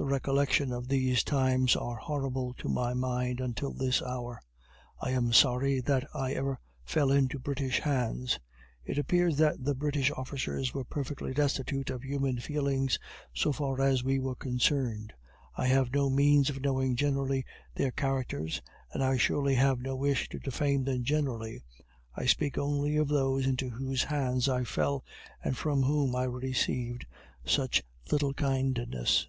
The recollection of these times are horrible to my mind until this hour. I am sorry that I ever fell into British hands. It appears that the British officers were perfectly destitute of human feelings, so far as we were concerned. I have no means of knowing generally their characters, and I surely have no wish to defame them generally; I speak only of those into whose hands I fell, and from whom I received such little kindness.